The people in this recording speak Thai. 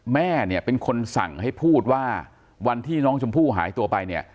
แม่เนี่ยเป็นคนสั่งให้พูดว่าวันที่น้องชมพู่หายตัวไปเนี่ย